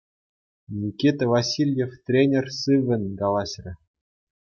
Никита Васильев тренер сиввӗн калаҫрӗ.